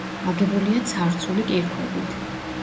აგებულია ცარცული კირქვებით.